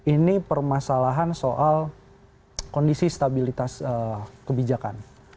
ini permasalahan soal kondisi stabilitas kebijakan